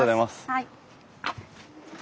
はい。